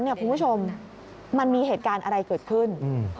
คุณผู้ชมมันมีเหตุการณ์อะไรเกิดขึ้น